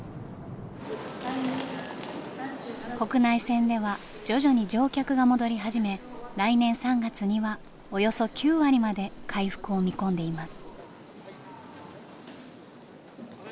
国内線では徐々に乗客が戻り始め来年３月にはおよそ９割まで回復を見込んでいます。